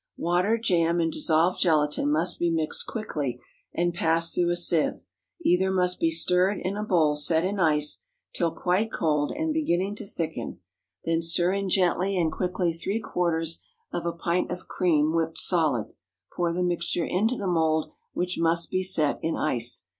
Water, jam, and dissolved gelatine must be mixed quickly and passed through a sieve; either must be stirred in a bowl set in ice till quite cold and beginning to thicken; then stir in gently and quickly three quarters of a pint of cream whipped solid; pour the mixture into the mould, which must be set in ice.